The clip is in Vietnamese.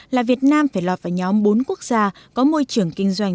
là việt nam phải lọt vào nhóm bốn quốc gia có môi trường kinh doanh